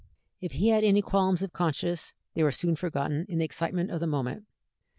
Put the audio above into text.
If he had any qualms of conscience, they were soon forgotten in the excitement of the moment.